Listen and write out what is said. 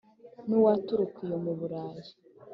N'uwaturuka iyo mu Bulayi